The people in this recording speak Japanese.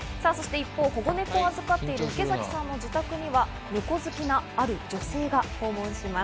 一方、保護猫を預かっている池崎さんの自宅には猫好きなある女性が訪問します。